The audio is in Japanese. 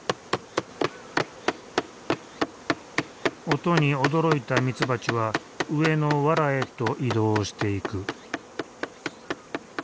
音に驚いたミツバチは上のわらへと移動していく。